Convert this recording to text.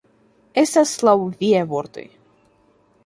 Estas laŭ viaj vortoj.